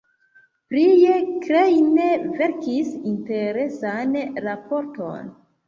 Prie Klein verkis interesan raporton.